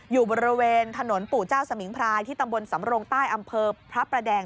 อยู่บริเวณถนนปู่เจ้าสมิงพรายที่ตำบลสำรงใต้อำเภอพระประแดง